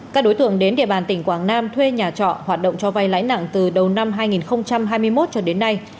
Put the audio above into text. các đối tượng đến địa bàn tỉnh quảng nam thuê nhà trọ hoạt động cho vay lãi nặng từ đầu năm hai nghìn hai mươi một cho đến nay